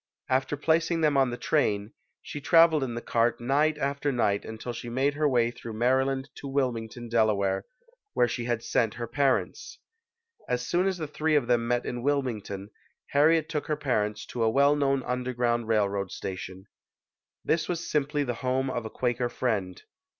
After placing them on the train, she traveled in the cart night after night until she made her way through Maryland to Wilmington, Delaware, where she had sent her parents. As soon as the three of them met in Wilming ton, Harriet took her parents to a well known un derground railroad station. This was simply the home of a Quaker friend.